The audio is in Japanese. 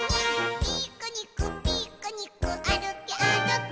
「ピクニックピクニックあるけあるけ」